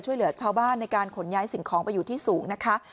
ช่วยเหลือชาวบ้านในการขนย้ายสิ่งของไปอยู่ที่สูงนะคะ